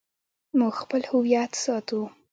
موږ خپل هویت ساتو